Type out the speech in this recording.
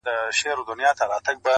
کارګه نه وو په خپل ژوند کي چا ستایلی-